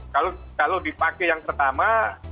kalau dipakai yang pertama